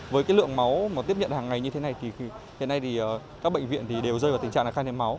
với cái lượng máu mà tiếp nhận hàng ngày như thế này thì hiện nay thì các bệnh viện thì đều rơi vào tình trạng khai hiến máu